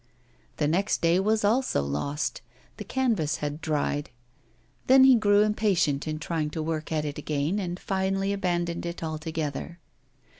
The next day was also lost; the canvas had dried; then he grew impatient in trying to work at it again, and finally abandoned it altogether.